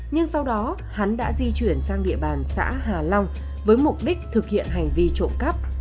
nhưng sau đó hắn đã di chuyển sang địa bàn xã hà long với mục đích thực hiện hành vi trộm cắp